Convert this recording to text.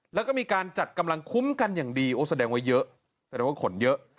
แล้วก็มีการจัดกำลังคุ้มกันอย่างดีแสดงว่าผลเยอะ